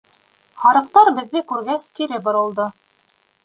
Һарыҡтар, беҙҙе күргәс, кире боролдо.